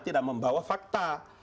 tidak membawa fakta